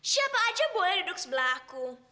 siapa aja boleh duduk sebelah aku